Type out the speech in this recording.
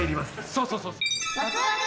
そうそうそう。